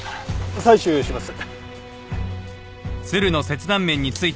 採取します。